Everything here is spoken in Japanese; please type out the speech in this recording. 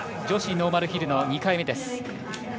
女子ノーマルヒルの２回目です。